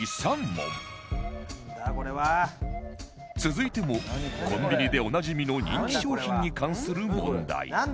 続いてもコンビニでおなじみの人気商品に関する問題なんだ？